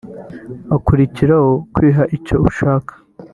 hakurikiraho kwiha icyo ushaka